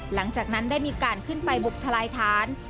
หลังจากนั้นได้มีการขึ้นไปบุกทลายฐาน